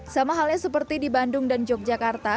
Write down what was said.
sama halnya seperti di bandung dan yogyakarta